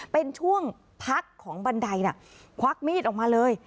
เป็นช่วงพักของบันไดน่ะควักมีดออกมาเลย